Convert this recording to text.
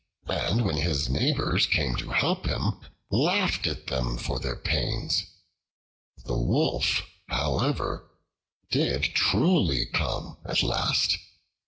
and when his neighbors came to help him, laughed at them for their pains. The Wolf, however, did truly come at last.